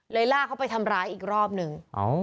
ลากเขาไปทำร้ายอีกรอบหนึ่ง